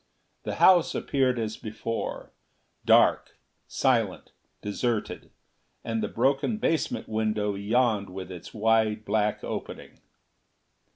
The house appeared as before, dark, silent, deserted, and the broken basement window yawned with its wide black opening.